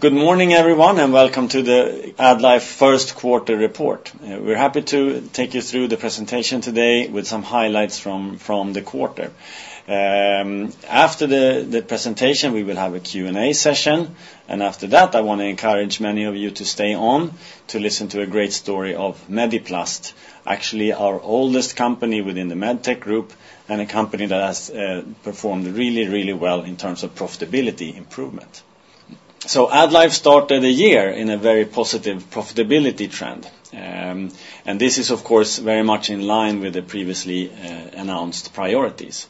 Good morning, everyone, and welcome to the AddLife First Quarter Report. We're happy to take you through the presentation today with some highlights from the quarter. After the presentation, we will have a Q&A session, and after that, I want to encourage many of you to stay on to listen to a great story of Mediplast, actually our oldest company within the Medtech group and a company that has performed really, really well in terms of profitability improvement. So AddLife started the year in a very positive profitability trend, and this is, of course, very much in line with the previously announced priorities.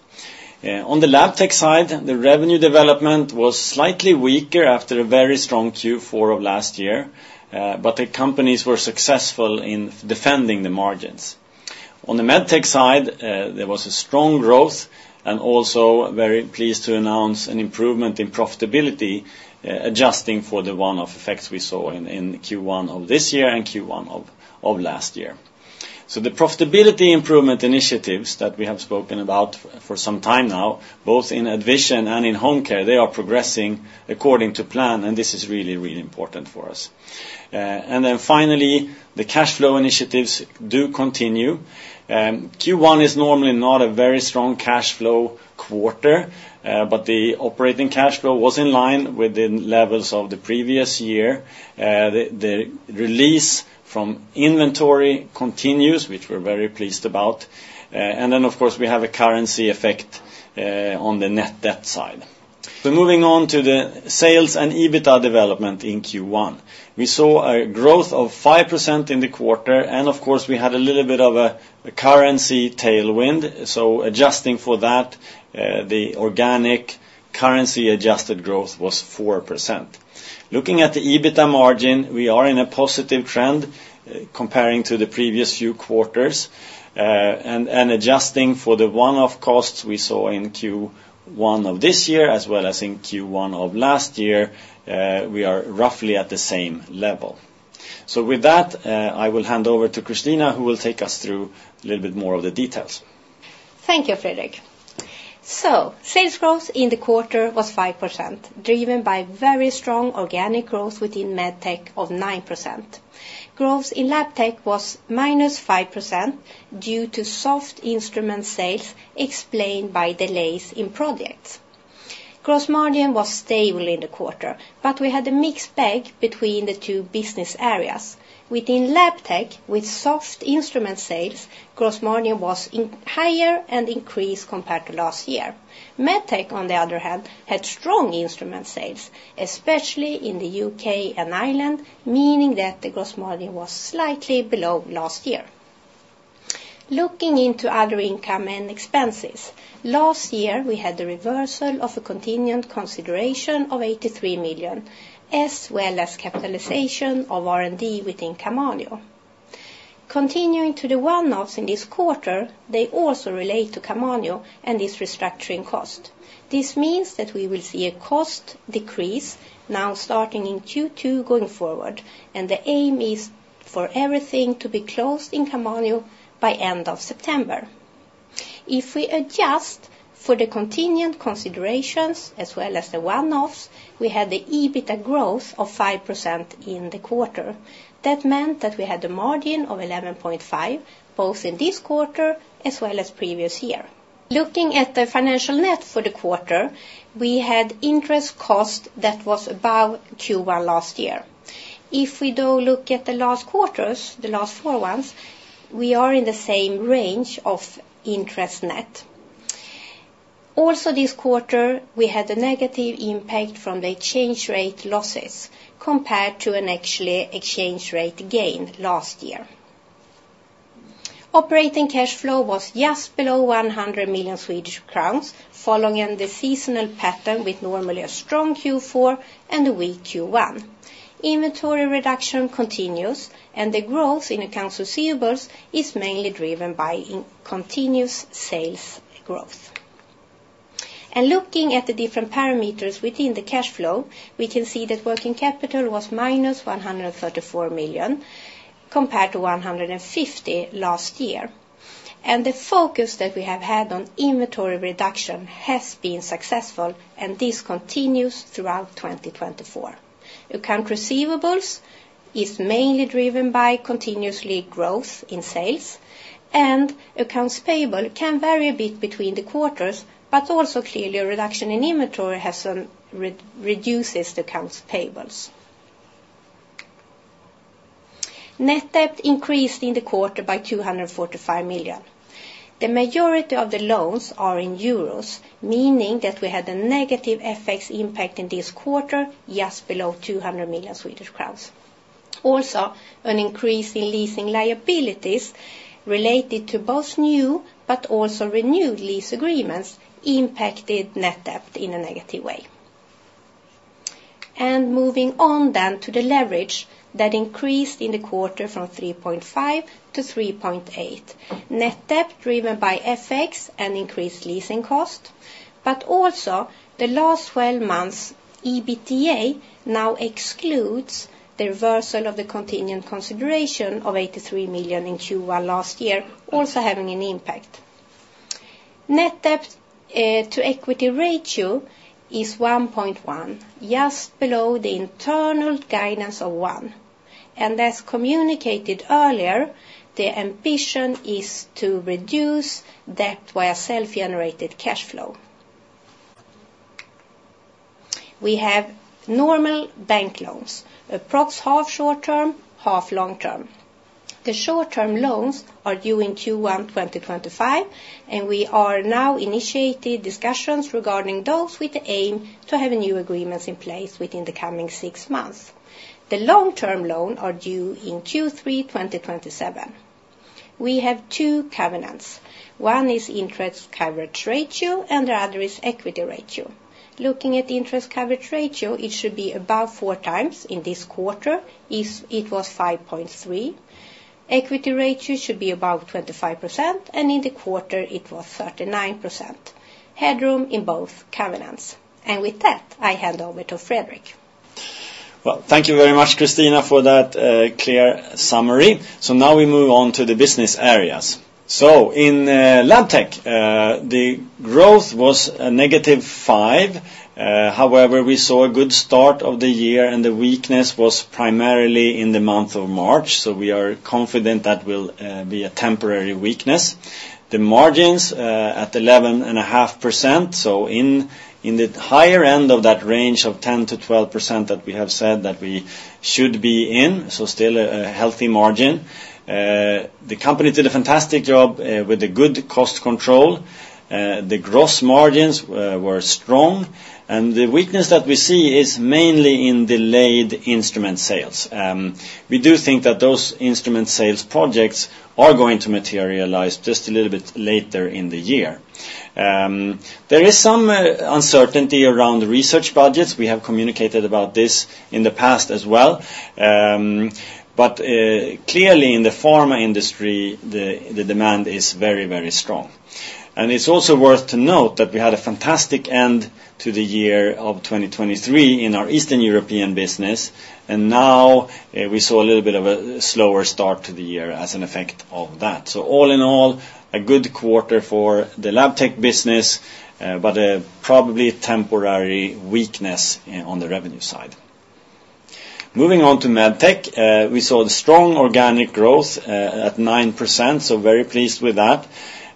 On the Labtech side, the revenue development was slightly weaker after a very strong Q4 of last year, but the companies were successful in defending the margins. On the Medtech side, there was a strong growth and also very pleased to announce an improvement in profitability adjusting for the one-off effects we saw in Q1 of this year and Q1 of last year. So the profitability improvement initiatives that we have spoken about for some time now, both in hospital and in home care, they are progressing according to plan, and this is really, really important for us. Then finally, the cash flow initiatives do continue. Q1 is normally not a very strong cash flow quarter, but the operating cash flow was in line with the levels of the previous year. The release from inventory continues, which we're very pleased about, and then, of course, we have a currency effect on the net debt side. So moving on to the sales and EBITDA development in Q1. We saw a growth of 5% in the quarter, and of course, we had a little bit of a currency tailwind, so adjusting for that, the organic currency-adjusted growth was 4%. Looking at the EBITDA margin, we are in a positive trend comparing to the previous few quarters, and adjusting for the one-off costs we saw in Q1 of this year as well as in Q1 of last year, we are roughly at the same level. So with that, I will hand over to Christina, who will take us through a little bit more of the details. Thank you, Fredrik. So sales growth in the quarter was 5%, driven by very strong organic growth within Medtech of 9%. Growth in Labtech was -5% due to soft instrument sales explained by delays in projects. Gross margin was stable in the quarter, but we had a mixed bag between the two business areas. Within Labtech, with soft instrument sales, gross margin was higher and increased compared to last year. Medtech, on the other hand, had strong instrument sales, especially in the U.K. and Ireland, meaning that the gross margin was slightly below last year. Looking into other income and expenses, last year we had the reversal of a contingent consideration of 83 million as well as capitalization of R&D within Camanio. Continuing to the one-offs in this quarter, they also relate to Camanio and this restructuring cost. This means that we will see a cost decrease now starting in Q2 going forward, and the aim is for everything to be closed in Camanio by end of September. If we adjust for the contingent consideration as well as the one-offs, we had the EBITDA growth of 5% in the quarter. That meant that we had a margin of 11.5% both in this quarter as well as previous year. Looking at the financial net for the quarter, we had interest cost that was above Q1 last year. If we, though, look at the last quarters, the last four ones, we are in the same range of interest net. Also, this quarter, we had a negative impact from the exchange rate losses compared to an actual exchange rate gain last year. Operating cash flow was just below 100 million Swedish crowns, following the seasonal pattern with normally a strong Q4 and a weak Q1. Inventory reduction continues, and the growth in accounts receivables is mainly driven by continuous sales growth. Looking at the different parameters within the cash flow, we can see that working capital was minus 134 million compared to 150 last year, and the focus that we have had on inventory reduction has been successful, and this continues throughout 2024. Accounts receivables is mainly driven by continuous growth in sales, and accounts payable can vary a bit between the quarters, but also clearly a reduction in inventory reduces the accounts payables. Net debt increased in the quarter by 245 million. The majority of the loans are in euros, meaning that we had a negative FX impact in this quarter, just below 200 million Swedish crowns. Also, an increase in leasing liabilities related to both new but also renewed lease agreements impacted net debt in a negative way. And moving on then to the leverage that increased in the quarter from 3.5x-3.8x. Net debt driven by FX and increased leasing cost, but also the last 12 months' EBITDA now excludes the reversal of the contingent consideration of 83 million in Q1 last year, also having an impact. Net debt to equity ratio is 1.1x, just below the internal guidance of 1x. And as communicated earlier, the ambition is to reduce debt via self-generated cash flow. We have normal bank loans, approximately half short term, half long term. The short term loans are due in Q1 2025, and we are now initiating discussions regarding those with the aim to have new agreements in place within the coming six months. The long-term loan is due in Q3 2027. We have two covenants. One is interest coverage ratio, and the other is equity ratio. Looking at interest coverage ratio, it should be above four times. In this quarter, it was 5.3%. Equity ratio should be about 25%, and in the quarter, it was 39%. Headroom in both covenants. With that, I hand over to Fredrik. Well, thank you very much, Christina, for that clear summary. So now we move on to the business areas. So in Labtech, the growth was a negative 5%. However, we saw a good start of the year, and the weakness was primarily in the month of March, so we are confident that will be a temporary weakness. The margins at 11.5%, so in the higher end of that range of 10%-12% that we have said that we should be in, so still a healthy margin. The company did a fantastic job with a good cost control. The gross margins were strong, and the weakness that we see is mainly in delayed instrument sales. We do think that those instrument sales projects are going to materialize just a little bit later in the year. There is some uncertainty around research budgets. We have communicated about this in the past as well, but clearly in the pharma industry, the demand is very, very strong. It's also worth to note that we had a fantastic end to the year of 2023 in our Eastern European business, and now we saw a little bit of a slower start to the year as an effect of that. All in all, a good quarter for the Labtech business, but probably temporary weakness on the revenue side. Moving on to Medtech, we saw the strong organic growth at 9%, so very pleased with that.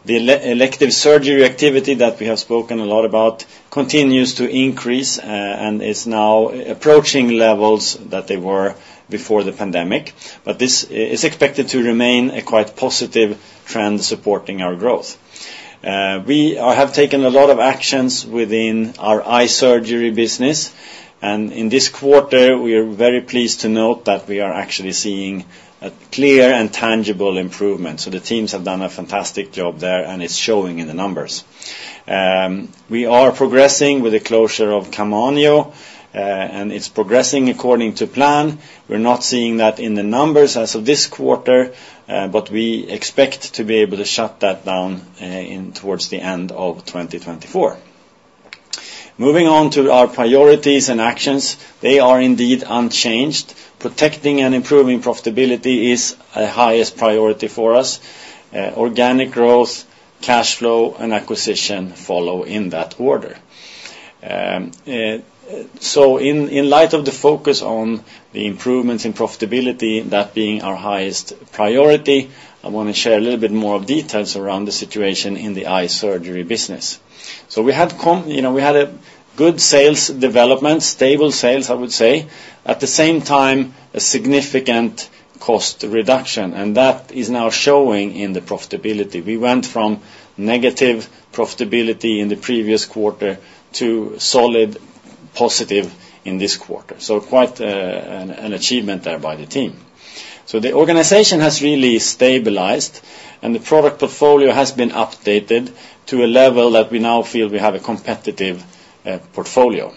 The elective surgery activity that we have spoken a lot about continues to increase and is now approaching levels that they were before the pandemic, but this is expected to remain a quite positive trend supporting our growth. We have taken a lot of actions within our eye surgery business, and in this quarter, we are very pleased to note that we are actually seeing a clear and tangible improvement. So the teams have done a fantastic job there, and it's showing in the numbers. We are progressing with the closure of Camanio, and it's progressing according to plan. We're not seeing that in the numbers as of this quarter, but we expect to be able to shut that down towards the end of 2024. Moving on to our priorities and actions, they are indeed unchanged. Protecting and improving profitability is the highest priority for us. Organic growth, cash flow, and acquisition follow in that order. So in light of the focus on the improvements in profitability that being our highest priority, I want to share a little bit more of details around the situation in the eye surgery business. So we had a good sales development, stable sales, I would say, at the same time a significant cost reduction, and that is now showing in the profitability. We went from negative profitability in the previous quarter to solid positive in this quarter, so quite an achievement there by the team. So the organization has really stabilized, and the product portfolio has been updated to a level that we now feel we have a competitive portfolio.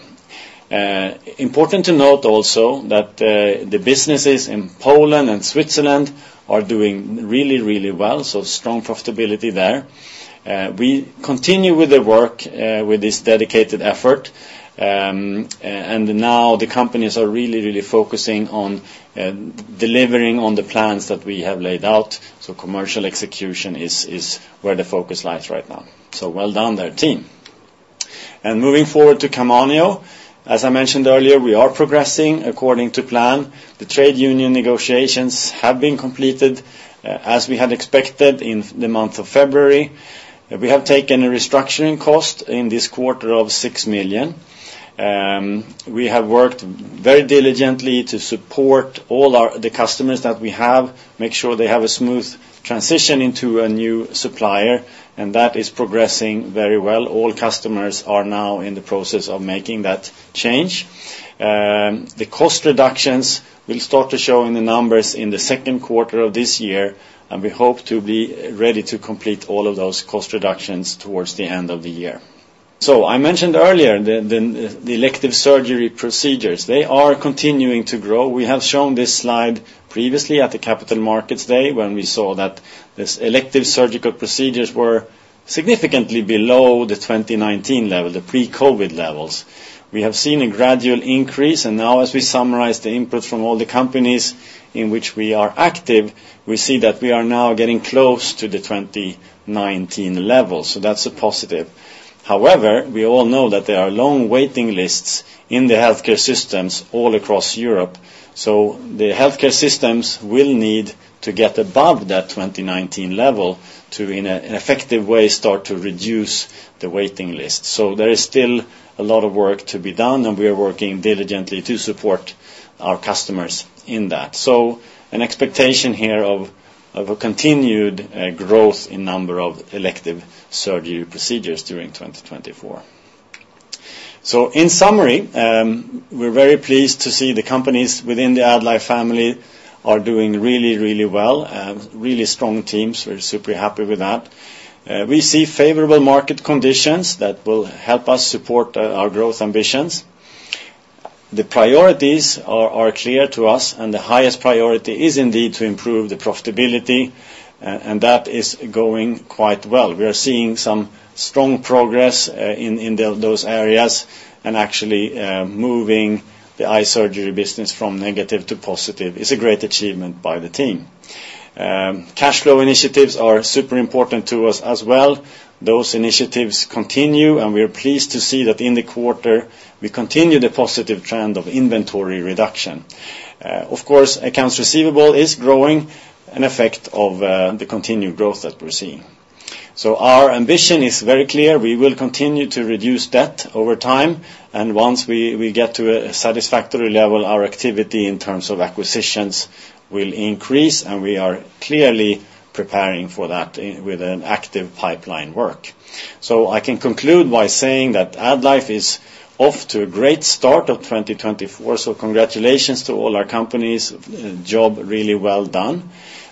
Important to note also that the businesses in Poland and Switzerland are doing really, really well, so strong profitability there. We continue with the work with this dedicated effort, and now the companies are really, really focusing on delivering on the plans that we have laid out, so commercial execution is where the focus lies right now. So well done there, team. And moving forward to Camanio, as I mentioned earlier, we are progressing according to plan. The trade union negotiations have been completed as we had expected in the month of February. We have taken a restructuring cost in this quarter of 6 million. We have worked very diligently to support all the customers that we have, make sure they have a smooth transition into a new supplier, and that is progressing very well. All customers are now in the process of making that change. The cost reductions will start to show in the numbers in the second quarter of this year, and we hope to be ready to complete all of those cost reductions towards the end of the year. I mentioned earlier the elective surgery procedures. They are continuing to grow. We have shown this slide previously at the Capital Markets Day when we saw that these elective surgical procedures were significantly below the 2019 level, the pre-COVID levels. We have seen a gradual increase, and now as we summarize the input from all the companies in which we are active, we see that we are now getting close to the 2019 level, so that's a positive. However, we all know that there are long waiting lists in the healthcare systems all across Europe, so the healthcare systems will need to get above that 2019 level to, in an effective way, start to reduce the waiting list. So there is still a lot of work to be done, and we are working diligently to support our customers in that. So an expectation here of a continued growth in number of elective surgery procedures during 2024. So in summary, we're very pleased to see the companies within the AddLife family are doing really, really well. Really strong teams. We're super happy with that. We see favorable market conditions that will help us support our growth ambitions. The priorities are clear to us, and the highest priority is indeed to improve the profitability, and that is going quite well. We are seeing some strong progress in those areas and actually moving the eye surgery business from negative to positive. It's a great achievement by the team. Cash flow initiatives are super important to us as well. Those initiatives continue, and we are pleased to see that in the quarter, we continue the positive trend of inventory reduction. Of course, accounts receivable is growing in effect of the continued growth that we're seeing. So our ambition is very clear. We will continue to reduce debt over time, and once we get to a satisfactory level, our activity in terms of acquisitions will increase, and we are clearly preparing for that with an active pipeline work. So I can conclude by saying that AddLife is off to a great start of 2024, so congratulations to all our companies. Job really well done.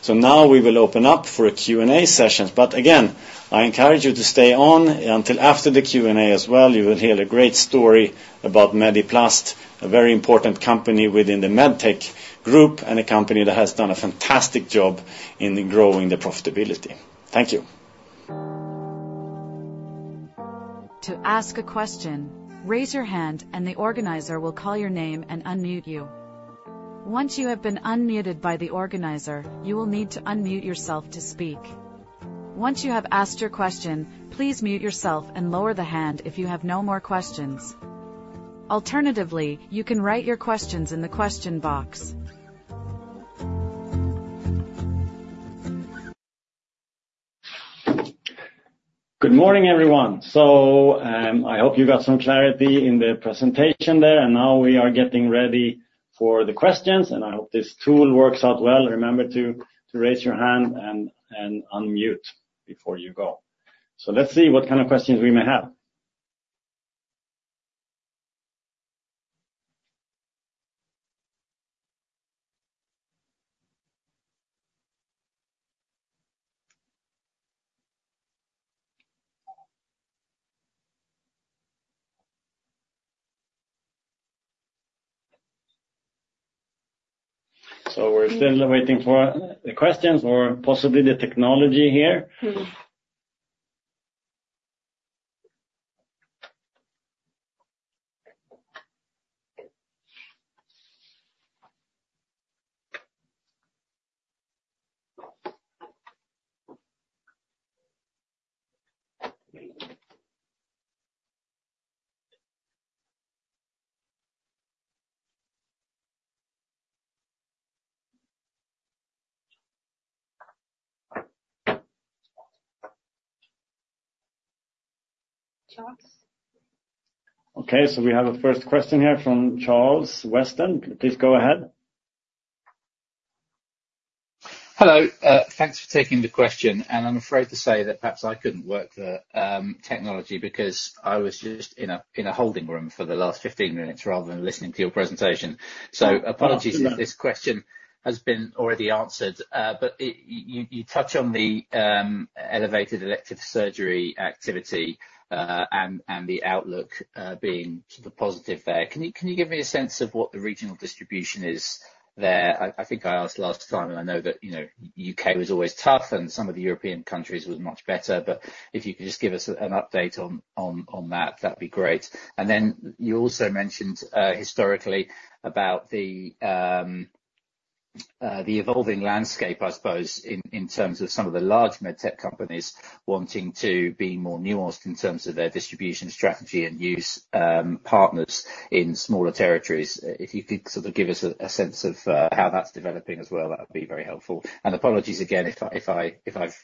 So now we will open up for Q&A sessions, but again, I encourage you to stay on until after the Q&A as well. You will hear a great story about Mediplast, a very important company within the Medtech group and a company that has done a fantastic job in growing the profitability. Thank you. To ask a question, raise your hand, and the organizer will call your name and unmute you. Once you have been unmuted by the organizer, you will need to unmute yourself to speak. Once you have asked your question, please mute yourself and lower the hand if you have no more questions. Alternatively, you can write your questions in the question box. Good morning, everyone. I hope you got some clarity in the presentation there, and now we are getting ready for the questions, and I hope this tool works out well. Remember to raise your hand and unmute before you go. Let's see what kind of questions we may have. We're still waiting for the questions or possibly the technology here. Charles? Okay, so we have a first question here from Charles Weston. Please go ahead. Hello. Thanks for taking the question, and I'm afraid to say that perhaps I couldn't work the technology because I was just in a holding room for the last 15 minutes rather than listening to your presentation. So apologies if this question has been already answered, but you touch on the elevated elective surgery activity and the outlook being sort of positive there. Can you give me a sense of what the regional distribution is there? I think I asked last time, and I know that the U.K. was always tough, and some of the European countries were much better, but if you could just give us an update on that, that'd be great. Then you also mentioned historically about the evolving landscape, I suppose, in terms of some of the large Medtech companies wanting to be more nuanced in terms of their distribution strategy and use partners in smaller territories. If you could sort of give us a sense of how that's developing as well, that would be very helpful. Apologies again if I've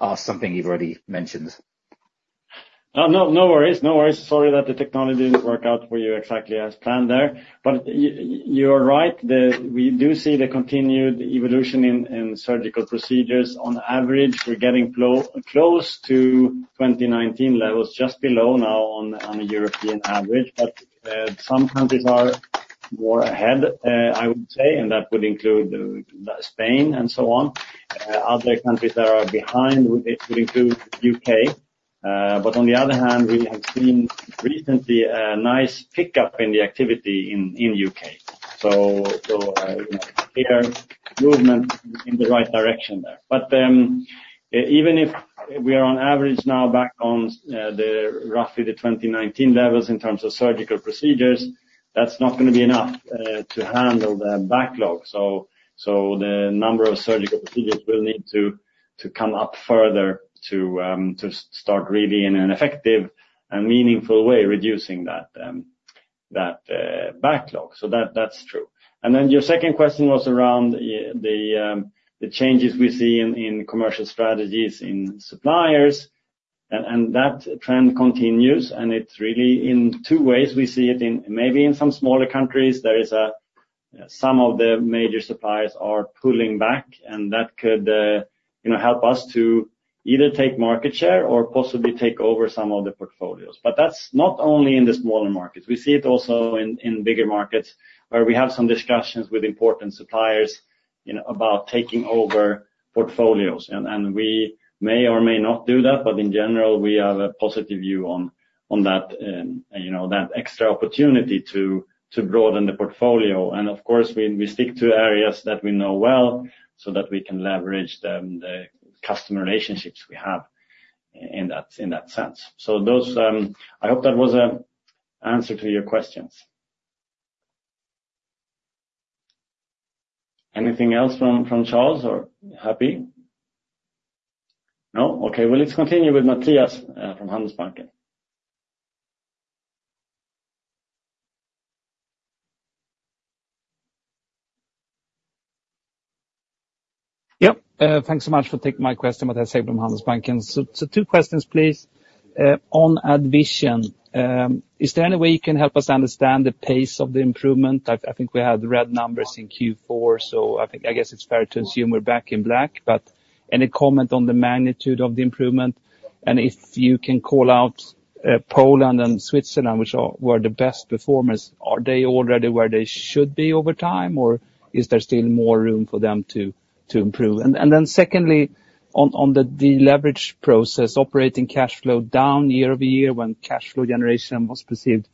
asked something you've already mentioned. No worries. No worries. Sorry that the technology didn't work out for you exactly as planned there, but you are right. We do see the continued evolution in surgical procedures. On average, we're getting close to 2019 levels, just below now on a European average, but some countries are more ahead, I would say, and that would include Spain and so on. Other countries that are behind would include the U.K., but on the other hand, we have seen recently a nice pickup in the activity in the U.K. So clear movement in the right direction there. But even if we are on average now back on roughly the 2019 levels in terms of surgical procedures, that's not going to be enough to handle the backlog, so the number of surgical procedures will need to come up further to start really in an effective and meaningful way reducing that backlog. So that's true. And then your second question was around the changes we see in commercial strategies in suppliers, and that trend continues, and it's really in two ways we see it. Maybe in some smaller countries, some of the major suppliers are pulling back, and that could help us to either take market share or possibly take over some of the portfolios. But that's not only in the smaller markets. We see it also in bigger markets where we have some discussions with important suppliers about taking over portfolios, and we may or may not do that, but in general, we have a positive view on that extra opportunity to broaden the portfolio. And of course, we stick to areas that we know well so that we can leverage the customer relationships we have in that sense. So I hope that was an answer to your questions. Anything else from Charles or Happy? No? Okay, well, let's continue with Mattias from Handelsbanken. Yep. Thanks so much for taking my question, Mattias, from Handelsbanken. So two questions, please. On AddVision, is there any way you can help us understand the pace of the improvement? I think we had red numbers in Q4, so I guess it's fair to assume we're back in black. But any comment on the magnitude of the improvement? And if you can call out Poland and Switzerland, which were the best performers, are they already where they should be over time, or is there still more room for them to improve? And then secondly, on the deleveraged process, operating cash flow down year-over-year when cash flow generation was perceived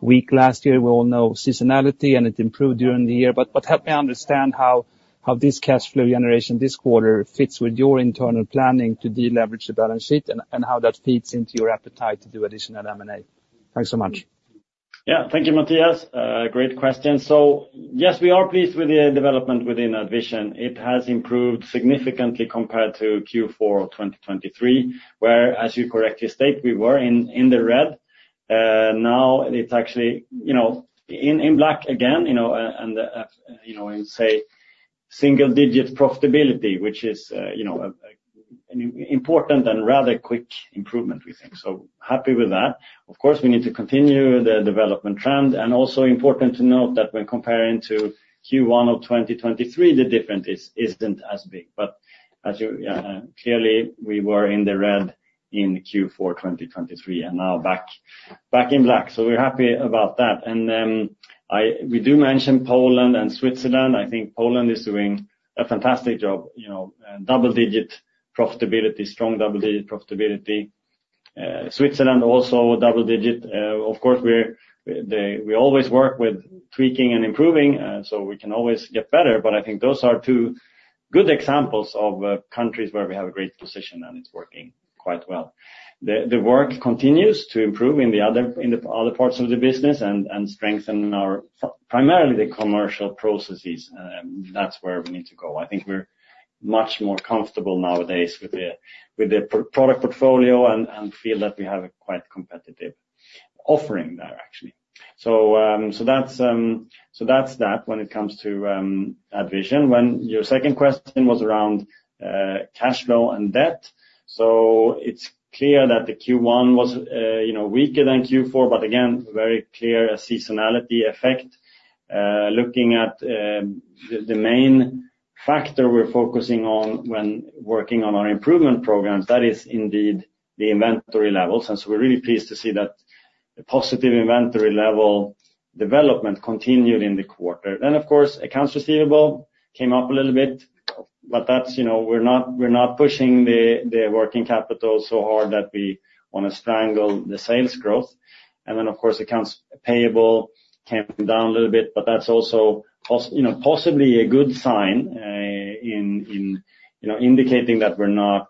weak last year, we all know seasonality, and it improved during the year. Help me understand how this cash flow generation this quarter fits with your internal planning to deleverage the balance sheet and how that feeds into your appetite to do additional M&A? Thanks so much. Yeah, thank you, Mattias. Great question. So yes, we are pleased with the development within AddVision. It has improved significantly compared to Q4 2023 where, as you correctly state, we were in the red. Now it's actually in black again and in, say, single-digit profitability, which is an important and rather quick improvement, we think. So happy with that. Of course, we need to continue the development trend, and also important to note that when comparing to Q1 of 2023, the difference isn't as big. But clearly, we were in the red in Q4 2023 and now back in black, so we're happy about that. And we do mention Poland and Switzerland. I think Poland is doing a fantastic job, double-digit profitability, strong double-digit profitability. Switzerland also, double-digit. Of course, we always work with tweaking and improving, so we can always get better, but I think those are two good examples of countries where we have a great position, and it's working quite well. The work continues to improve in the other parts of the business and strengthen primarily the commercial processes. That's where we need to go. I think we're much more comfortable nowadays with the product portfolio and feel that we have a quite competitive offering there, actually. So that's that when it comes to AddVision. Your second question was around cash flow and debt. So it's clear that the Q1 was weaker than Q4, but again, very clear seasonality effect. Looking at the main factor we're focusing on when working on our improvement programs, that is indeed the inventory levels, and so we're really pleased to see that positive inventory level development continued in the quarter. Then, of course, accounts receivable came up a little bit, but we're not pushing the working capital so hard that we want to strangle the sales growth. And then, of course, accounts payable came down a little bit, but that's also possibly a good sign indicating that we're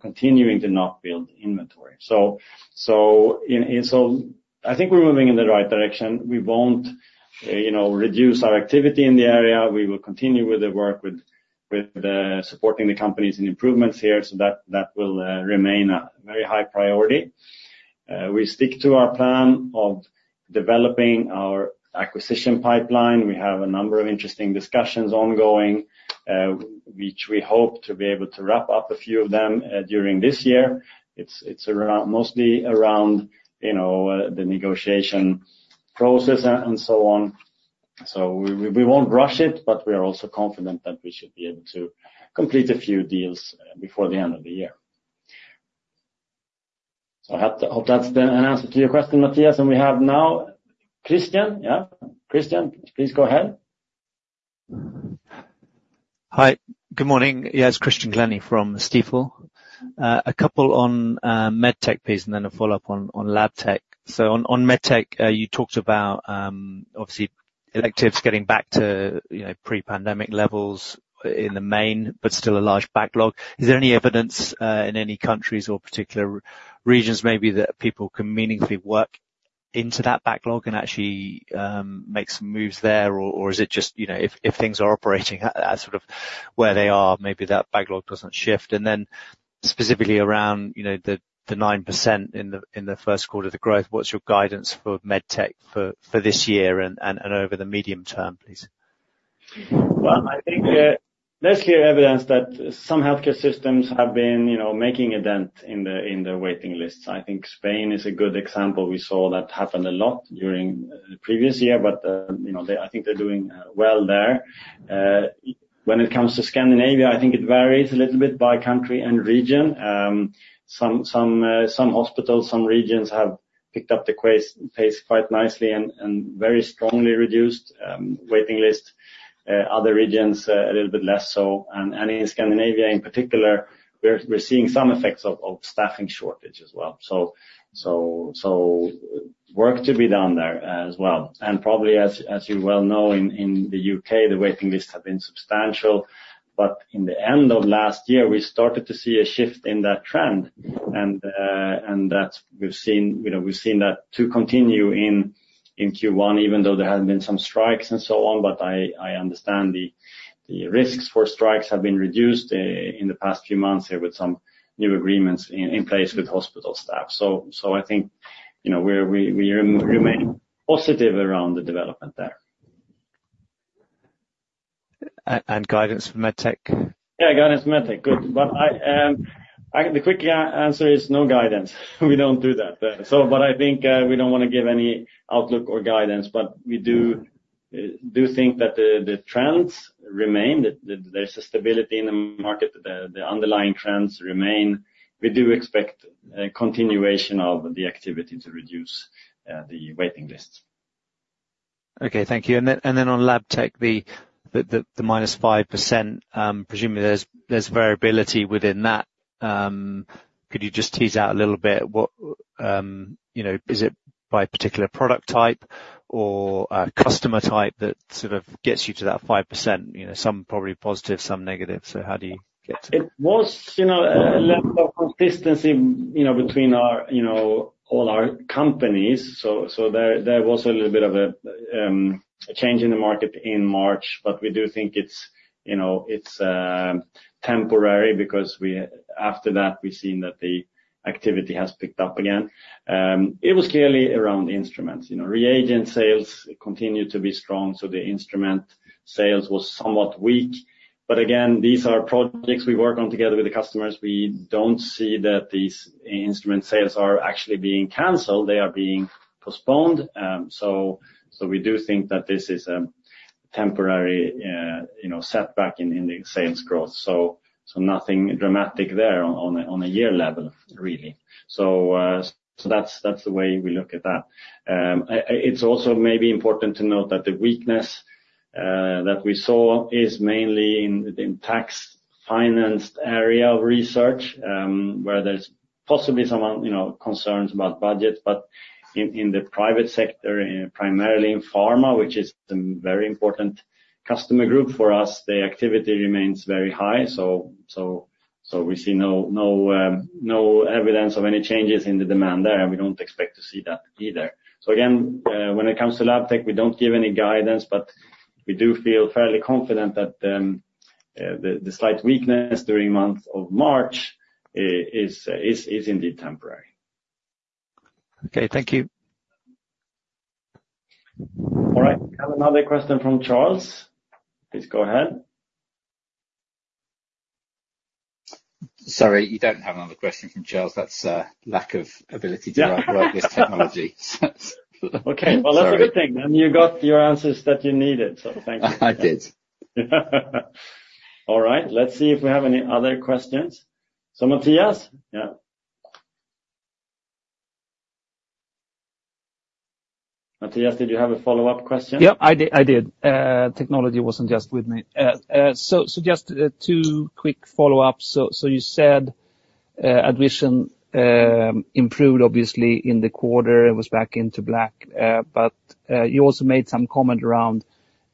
continuing to not build inventory. So I think we're moving in the right direction. We won't reduce our activity in the area. We will continue with the work with supporting the companies in improvements here, so that will remain a very high priority. We stick to our plan of developing our acquisition pipeline. We have a number of interesting discussions ongoing, which we hope to be able to wrap up a few of them during this year. It's mostly around the negotiation process and so on. So we won't rush it, but we are also confident that we should be able to complete a few deals before the end of the year. So I hope that's an answer to your question, Mattias. And we have now Christian. Yeah? Christian, please go ahead. Hi. Good morning. Yes, Christian Glennie from Stifel. A couple on Medtech piece and then a follow-up on Labtech. So on Medtech, you talked about, obviously, electives getting back to pre-pandemic levels in the main, but still a large backlog. Is there any evidence in any countries or particular regions, maybe, that people can meaningfully work into that backlog and actually make some moves there, or is it just if things are operating at sort of where they are, maybe that backlog doesn't shift? And then specifically around the 9% in the first quarter of the growth, what's your guidance for Medtech for this year and over the medium term, please? Well, I think there's clear evidence that some healthcare systems have been making a dent in the waiting lists. I think Spain is a good example. We saw that happen a lot during the previous year, but I think they're doing well there. When it comes to Scandinavia, I think it varies a little bit by country and region. Some hospitals, some regions have picked up the pace quite nicely and very strongly reduced waiting lists. Other regions, a little bit less so. In Scandinavia in particular, we're seeing some effects of staffing shortage as well. Work to be done there as well. Probably, as you well know, in the U.K., the waiting lists have been substantial, but in the end of last year, we started to see a shift in that trend, and we've seen that to continue in Q1, even though there have been some strikes and so on, but I understand the risks for strikes have been reduced in the past few months here with some new agreements in place with hospital staff. So I think we remain positive around the development there. Guidance for Medtech? Yeah, guidance for Medtech. Good. But the quick answer is no guidance. We don't do that. But I think we don't want to give any outlook or guidance, but we do think that the trends remain. There's a stability in the market. The underlying trends remain. We do expect continuation of the activity to reduce the waiting lists. Okay, thank you. And then on Labtech, the -5%, presumably there's variability within that. Could you just tease out a little bit? Is it by particular product type or customer type that sort of gets you to that 5%? Some probably positive, some negative. So how do you get to that? It was a level of consistency between all our companies, so there was a little bit of a change in the market in March, but we do think it's temporary because after that, we've seen that the activity has picked up again. It was clearly around instruments. Reagent sales continue to be strong, so the instrument sales was somewhat weak. But again, these are projects we work on together with the customers. We don't see that these instrument sales are actually being canceled. They are being postponed. So we do think that this is a temporary setback in the sales growth, so nothing dramatic there on a year level, really. So that's the way we look at that. It's also maybe important to note that the weakness that we saw is mainly in the tax-financed area of research where there's possibly some concerns about budget, but in the private sector, primarily in pharma, which is a very important customer group for us, the activity remains very high, so we see no evidence of any changes in the demand there, and we don't expect to see that either. So again, when it comes to Labtech, we don't give any guidance, but we do feel fairly confident that the slight weakness during the month of March is indeed temporary. Okay, thank you. All right. We have another question from Charles. Please go ahead. Sorry, you don't have another question from Charles. That's lack of ability to write about this technology. Okay, well, that's a good thing. Then you got your answers that you needed, so thank you. I did. All right. Let's see if we have any other questions. So, Mattias? Yeah? Mattias, did you have a follow-up question? Yep, I did. Technology wasn't just with me. So just two quick follow-ups. So you said AddVision improved, obviously, in the quarter. It was back in the black, but you also made some comment around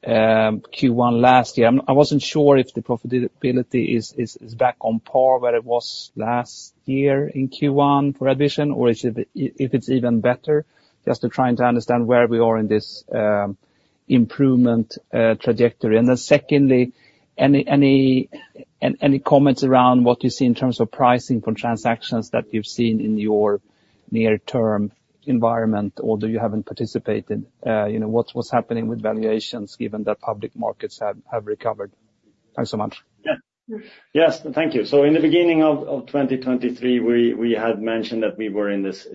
Q1 last year. I wasn't sure if the profitability is back on par where it was last year in Q1 for AddVision or if it's even better, just trying to understand where we are in this improvement trajectory. And then secondly, any comments around what you see in terms of pricing for transactions that you've seen in your near-term environment, or do you haven't participated? What's happening with valuations given that public markets have recovered? Thanks so much. Yes, thank you. So in the beginning of 2023, we had mentioned that we were in this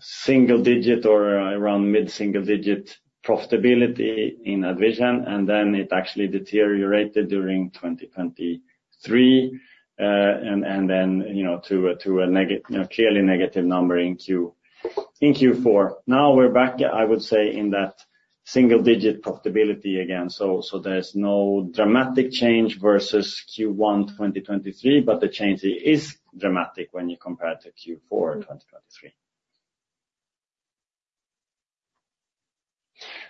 single-digit or around mid-single-digit profitability in AddVision, and then it actually deteriorated during 2023 and then to a clearly negative number in Q4. Now we're back, I would say, in that single-digit profitability again. So there's no dramatic change versus Q1 2023, but the change is dramatic when you compare to Q4 2023.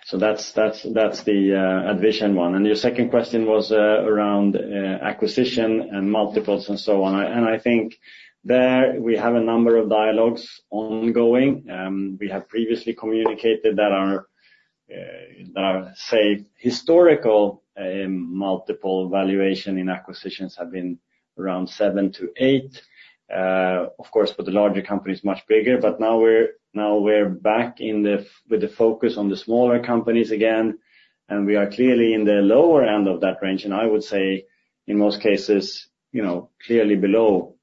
So that's the AddVision one. And your second question was around acquisition and multiples and so on. And I think there we have a number of dialogues ongoing. We have previously communicated that our, say, historical multiple valuation in acquisitions have been around 7-8, of course, for the larger companies, much bigger. But now we're back with the focus on the smaller companies again, and we are clearly in the lower end of that range, and I would say, in most cases, clearly below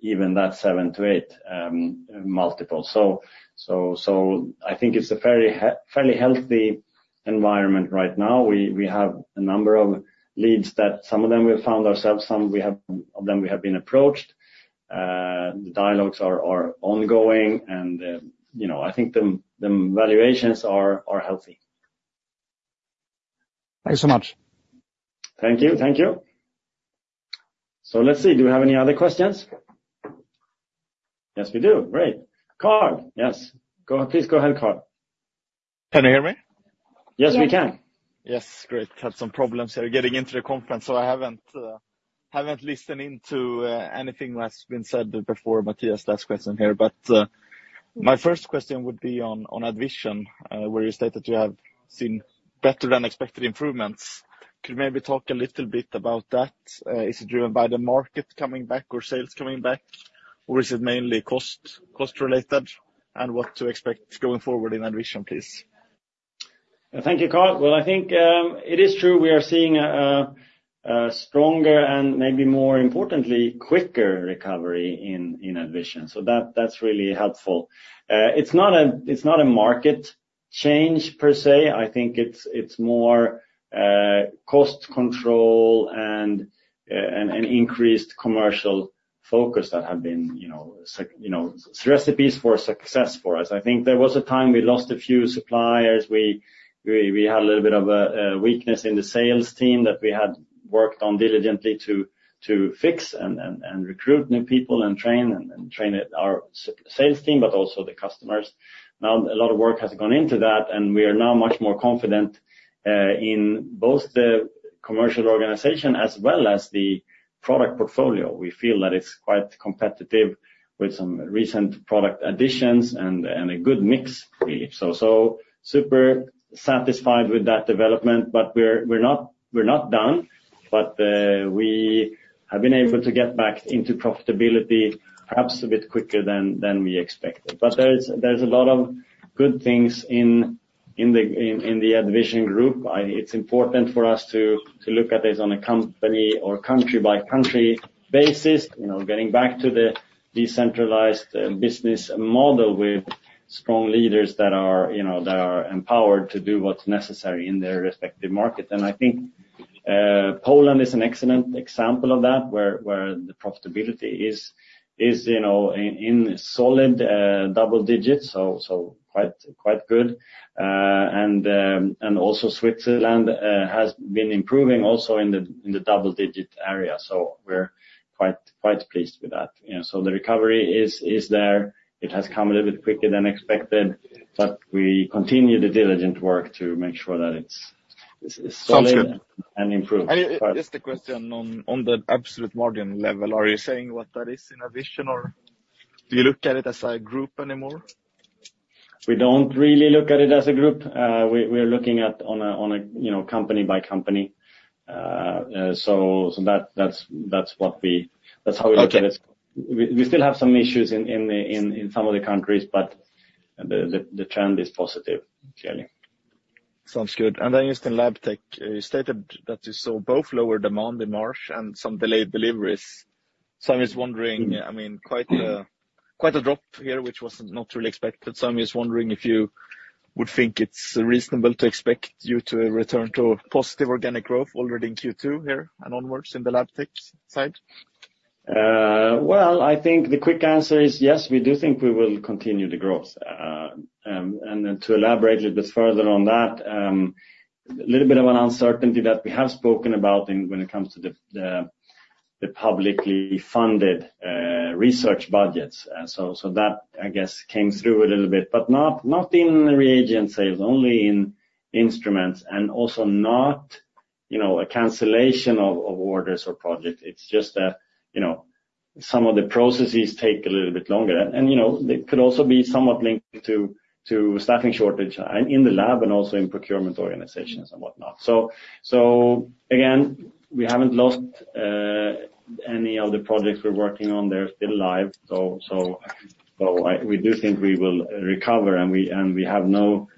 even that 7-8 multiples. So I think it's a fairly healthy environment right now. We have a number of leads that some of them we've found ourselves, some of them we have been approached. The dialogues are ongoing, and I think the valuations are healthy. Thanks so much. Thank you. Thank you. So let's see. Do we have any other questions? Yes, we do. Great. Karl, yes. Please go ahead, Karl. Can you hear me? Yes, we can. Yes, great. Had some problems here getting into the conference, so I haven't listened into anything that's been said before, Mattias, last question here. But my first question would be on AddVision, where you stated you have seen better-than-expected improvements. Could you maybe talk a little bit about that? Is it driven by the market coming back or sales coming back, or is it mainly cost-related? And what to expect going forward in AddVision, please? Thank you, Karl. Well, I think it is true we are seeing a stronger and maybe more importantly, quicker recovery in AddVision, so that's really helpful. It's not a market change per se. I think it's more cost control and an increased commercial focus that have been recipes for success for us. I think there was a time we lost a few suppliers. We had a little bit of a weakness in the sales team that we had worked on diligently to fix and recruit new people and train our sales team, but also the customers. Now a lot of work has gone into that, and we are now much more confident in both the commercial organization as well as the product portfolio. We feel that it's quite competitive with some recent product additions and a good mix, really. So super satisfied with that development, but we're not done. But we have been able to get back into profitability, perhaps a bit quicker than we expected. But there's a lot of good things in the AddVision group. It's important for us to look at this on a company or country-by-country basis, getting back to the decentralized business model with strong leaders that are empowered to do what's necessary in their respective market. And I think Poland is an excellent example of that, where the profitability is in solid double digits, so quite good. And also Switzerland has been improving also in the double-digit area, so we're quite pleased with that. So the recovery is there. It has come a little bit quicker than expected, but we continue the diligent work to make sure that it's solid and improved. Just a question on the absolute margin level. Are you saying what that is in AddVision, or do you look at it as a group anymore? We don't really look at it as a group. We are looking at it on a company-by-company. That's how we look at it. We still have some issues in some of the countries, but the trend is positive, clearly. Sounds good. And then just in Labtech, you stated that you saw both lower demand in March and some delayed deliveries. So I'm just wondering, I mean, quite a drop here, which was not really expected. So I'm just wondering if you would think it's reasonable to expect you to return to positive organic growth already in Q2 here and onwards in the Labtech side? Well, I think the quick answer is yes, we do think we will continue the growth. And then to elaborate a little bit further on that, a little bit of an uncertainty that we have spoken about when it comes to the publicly funded research budgets. So that, I guess, came through a little bit, but not in reagent sales, only in instruments and also not a cancellation of orders or projects. It's just that some of the processes take a little bit longer. And it could also be somewhat linked to staffing shortage in the lab and also in procurement organizations and whatnot. So again, we haven't lost any of the projects we're working on. They're still live, so we do think we will recover, and we have no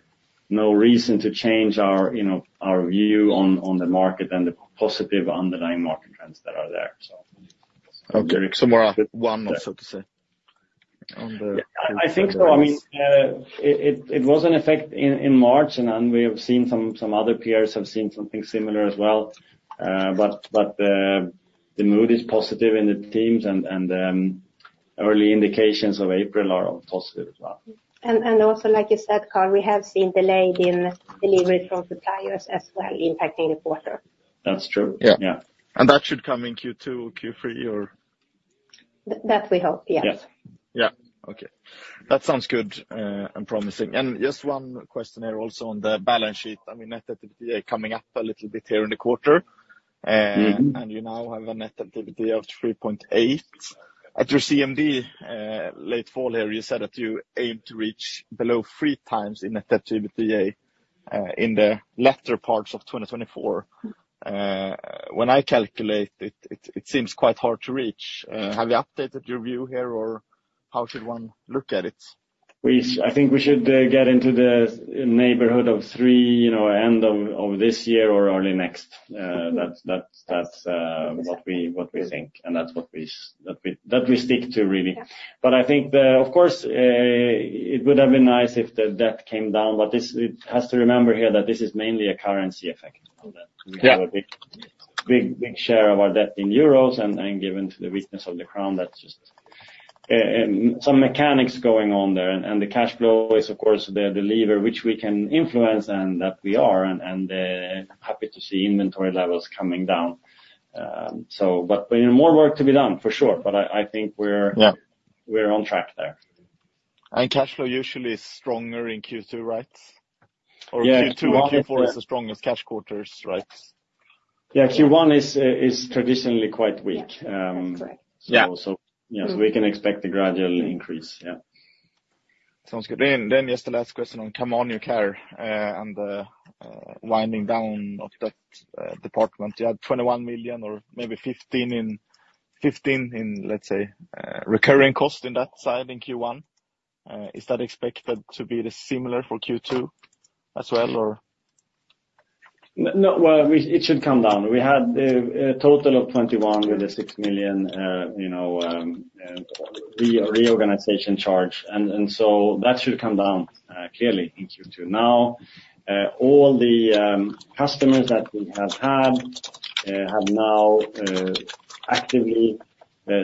reason to change our view on the market and the positive underlying market trends that are there, so. Okay. So, more on one also, to say, on the. I think so. I mean, it was an effect in March, and we have seen some other peers have seen something similar as well. But the mood is positive in the teams, and early indications of April are positive as well. And also, like you said, Karl, we have seen delayed deliveries from suppliers as well, impacting the quarter. That's true. Yeah. That should come in Q2 or Q3, or? That we hope, yes. Yeah. Okay. That sounds good and promising. And just one question here also on the balance sheet. I mean, net debt to EBITDA is coming up a little bit here in the quarter, and you now have a net debt to EBITDA of 3.8. At your CMD last fall here, you said that you aimed to reach below 3x net debt to EBITDA in the latter parts of 2024. When I calculate it, it seems quite hard to reach. Have you updated your view here, or how should one look at it? I think we should get into the neighborhood of three at the end of this year or early next. That's what we think, and that's what we stick to, really. But I think, of course, it would have been nice if the debt came down, but it has to remember here that this is mainly a currency effect. We have a big, big share of our debt in euros, and given the weakness of the crown, that's just some mechanics going on there. And the cash flow is, of course, the lever which we can influence, and that we are happy to see inventory levels coming down. But there's more work to be done, for sure, but I think we're on track there. Cash flow usually is stronger in Q2, right? Or Q2 and Q4 are the strongest cash quarters, right? Yeah, Q1 is traditionally quite weak. So we can expect a gradual increase. Yeah. Sounds good. Then just the last question on Camanio Care and the winding down of that department. You had 21 million or maybe 15 million in, let's say, recurring cost in that side in Q1. Is that expected to be similar for Q2 as well, or? Well, it should come down. We had atotal of 21 million with the 6 million reorganization charge, and so that should come down clearly in Q2. Now, all the customers that we have had have now actively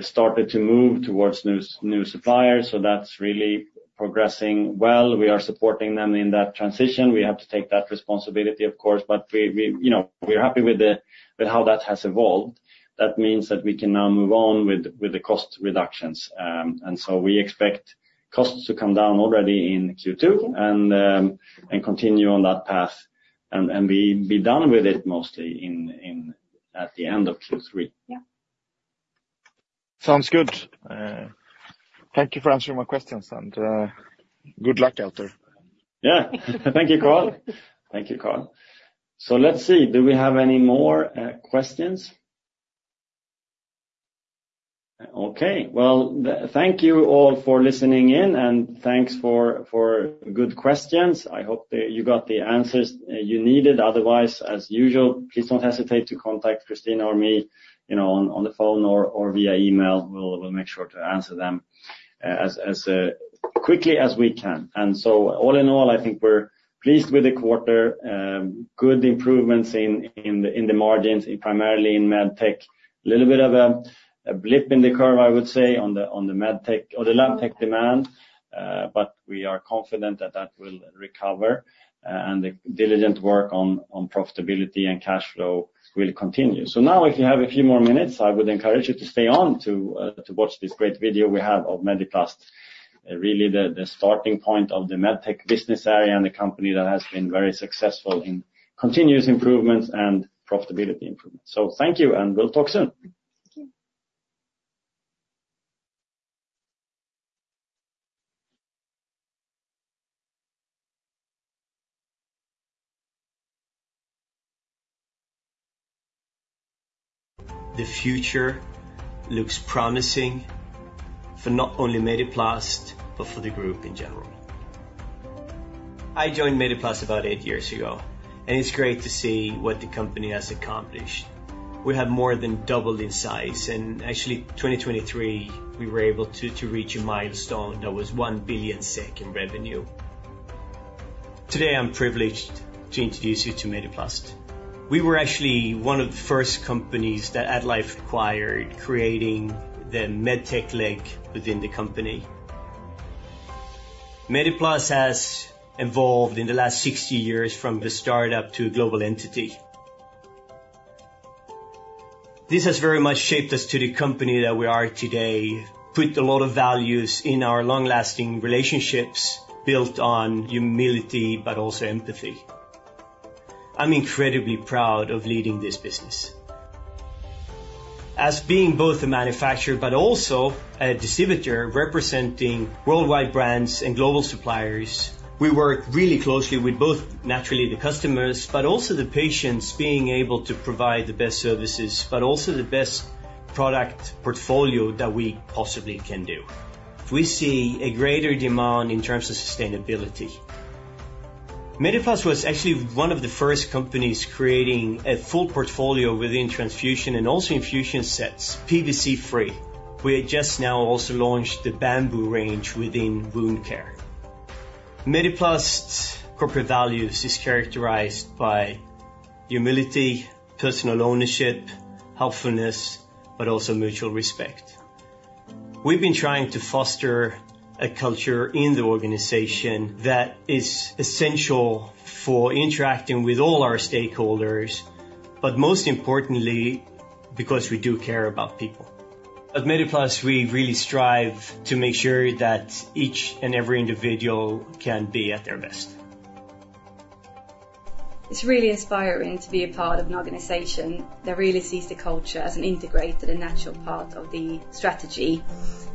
started to move towards new suppliers, so that's really progressing well. We are supporting them in that transition. We have to take that responsibility, of course, but we're happy with how that has evolved. That means that we can now move on with the cost reductions. And so we expect costs to come down already in Q2 and continue on that path and be done with it mostly at the end of Q3. Yeah. Sounds good. Thank you for answering my questions, and good luck out there. Yeah. Thank you, Karl. Thank you, Karl. So let's see. Do we have any more questions? Okay. Well, thank you all for listening in, and thanks for good questions. I hope you got the answers you needed. Otherwise, as usual, please don't hesitate to contact Christina or me on the phone or via email. We'll make sure to answer them as quickly as we can. And so all in all, I think we're pleased with the quarter, good improvements in the margins, primarily in Medtech. A little bit of a blip in the curve, I would say, on the Medtech or the Labtech demand, but we are confident that that will recover, and the diligent work on profitability and cash flow will continue. So now, if you have a few more minutes, I would encourage you to stay on to watch this great video we have of Mediplast, really the starting point of the Medtech business area and the company that has been very successful in continuous improvements and profitability improvements. So thank you, and we'll talk soon. Thank you. The future looks promising for not only Mediplast but for the group in general. I joined Mediplast about eight years ago, and it's great to see what the company has accomplished. We have more than doubled in size, and actually, 2023, we were able to reach a milestone that was 1 billion SEK in revenue. Today, I'm privileged to introduce you to Mediplast. We were actually one of the first companies that AddLife acquired, creating the Medtech leg within the company. Mediplast has evolved in the last 60 years from a startup to a global entity. This has very much shaped us to the company that we are today, put a lot of values in our long-lasting relationships built on humility but also empathy. I'm incredibly proud of leading this business. As being both a manufacturer but also a distributor representing worldwide brands and global suppliers, we work really closely with both, naturally, the customers but also the patients, being able to provide the best services but also the best product portfolio that we possibly can do. We see a greater demand in terms of sustainability. Mediplast was actually one of the first companies creating a full portfolio within transfusion and also infusion sets, PVC-free. We had just now also launched the Bamboo range within wound care. Mediplast's corporate values are characterized by humility, personal ownership, helpfulness, but also mutual respect. We've been trying to foster a culture in the organization that is essential for interacting with all our stakeholders, but most importantly, because we do care about people. At Mediplast, we really strive to make sure that each and every individual can be at their best. It's really inspiring to be a part of an organization that really sees the culture as an integrated and natural part of the strategy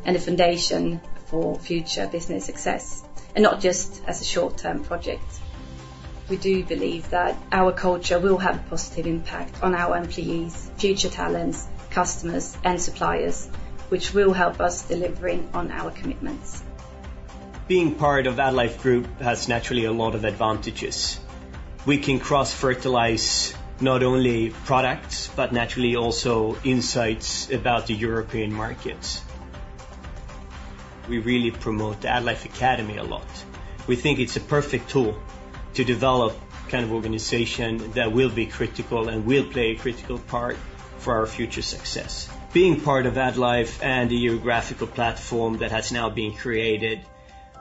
and the foundation for future business success, and not just as a short-term project. We do believe that our culture will have a positive impact on our employees, future talents, customers, and suppliers, which will help us deliver on our commitments. Being part of AddLife Group has naturally a lot of advantages. We can cross-fertilize not only products but naturally also insights about the European markets. We really promote the AddLife Academy a lot. We think it's a perfect tool to develop kind of an organization that will be critical and will play a critical part for our future success. Being part of AddLife and the geographical platform that has now been created,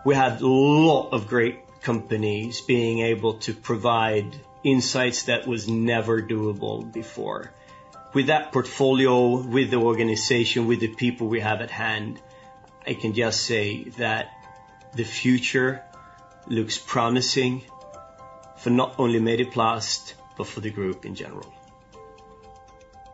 we have a lot of great companies being able to provide insights that were never doable before. With that portfolio, with the organization, with the people we have at hand, I can just say that the future looks promising for not only Mediplast but for the group in general.